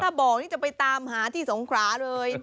ถ้าบอกนี่จะไปตามหาที่สงขราเลย